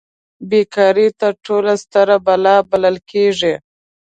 بې کاري تر ټولو ستره بلا بلل کیږي.